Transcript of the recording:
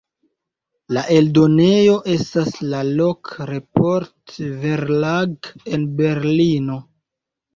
La eldonejo estas la "Lok-Report-Verlag" en Berlino.